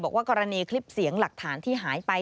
กรณีคลิปเสียงหลักฐานที่หายไป